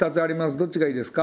どっちがいいですか？」